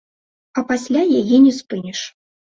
А пасля яе не спыніш.